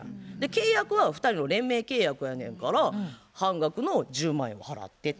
契約は２人の連名契約やねんから半額の１０万円を払ってって。